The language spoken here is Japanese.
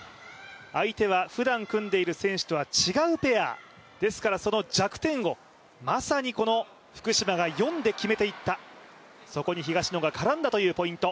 相手はふだん組んでいる選手とは違うペアですから、その弱点をまさに福島が読んで決めていった、そこに東野が絡んだというポイント。